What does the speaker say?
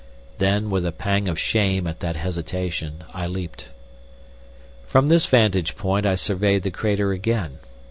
Then with a pang of shame at that hesitation, I leapt.... From this vantage point I surveyed the crater again.